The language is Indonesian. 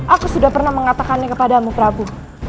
aku sudah pernah mengatakannya kepadamu prabu